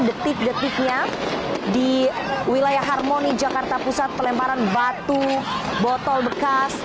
detik detiknya di wilayah harmoni jakarta pusat pelemparan batu botol bekas